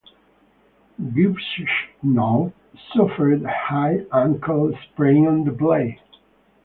Grebeshkov suffered a high ankle sprain on the play.